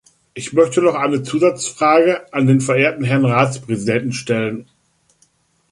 Ich möchte noch eine Zusatzfrage an den verehrten Herrn Ratspräsidenten stellen.